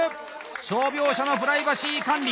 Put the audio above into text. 傷病者のプライバシー管理